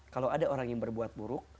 kalau ada orang yang berbuat buruk